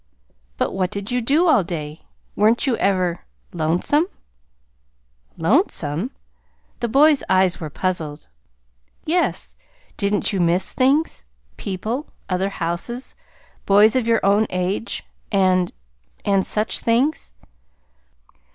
"But what did you do all day? Weren't you ever lonesome?" "Lonesome?" The boy's eyes were puzzled. "Yes. Didn't you miss things people, other houses, boys of your own age, and and such things?"